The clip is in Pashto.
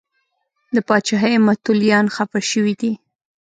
د پاچاهۍ متولیان خفه شوي دي.